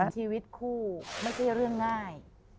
ชีวิตคู่ไม่ใช่เรื่องง่าย